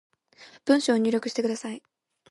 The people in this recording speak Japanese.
文章を入力してください